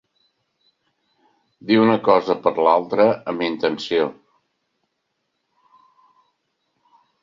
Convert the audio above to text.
Dir una cosa per l'altra amb intenció.